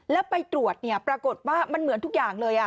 แล้วไปตรวจเนี่ยปรากฏว่ามันเหมือนทุกอย่างเลย